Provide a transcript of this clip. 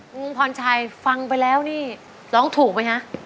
รุงพอร์ชัยฝังไปแล้วร้องถูกไหมนะ